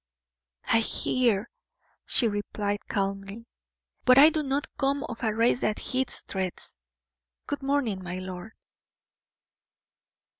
"I hear," she replied, calmly, "but I do not come of a race that heeds threats. Good morning, my lord."